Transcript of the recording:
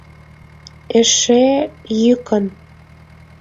Эше — йӱкын.